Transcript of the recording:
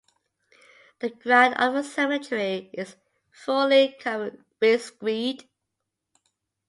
The ground of the cemetery is fully covered with screed.